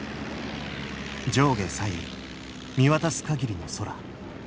上下左右見渡す限りの空。